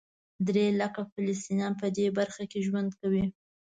درې لکه فلسطینیان په دې برخه کې ژوند کوي.